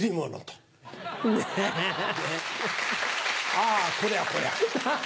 あこりゃこりゃ。